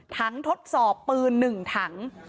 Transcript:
ทั้งทดสอบปืน๑ถัง